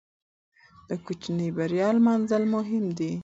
د کوچنۍ بریا لمانځل مهم دي.